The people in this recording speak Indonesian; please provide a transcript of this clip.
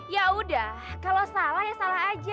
ya udah kalau salah ya salah aja